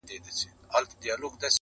په هډوکو او په غوښو دایم موړ ؤ,